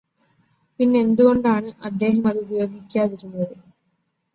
പിന്നെന്തുകൊണ്ടാണ് അദ്ദേഹമത് ഉപയോഗിക്കാതിരുന്നത്